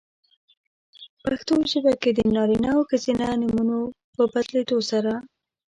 پښتو ژبه کې د نارینه او ښځینه نومونو په بدلېدو سره؛